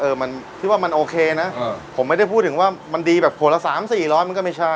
มันคิดว่ามันโอเคนะผมไม่ได้พูดถึงว่ามันดีแบบขวดละสามสี่ร้อยมันก็ไม่ใช่